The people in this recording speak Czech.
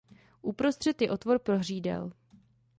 Uprostřed je otvor pro hřídel.